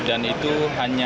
dan itu hanya